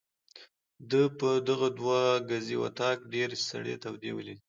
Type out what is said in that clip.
ده په دغه دوه ګزي وطاق ډېرې سړې تودې ولیدې.